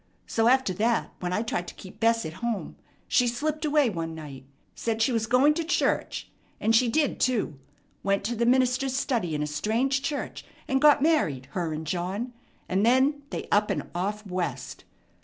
So after that, when I tried to keep Bess at home, she slipped away one night; said she was going to church; and she did too; went to the minister's study in a strange church, and got married, her and John; and then they up and off West.